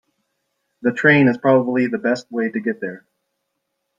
The train is probably the best way to get there.